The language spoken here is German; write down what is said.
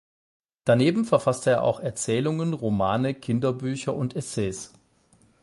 Daneben verfasste er auch Erzählungen, Romane, Kinderbücher und Essays.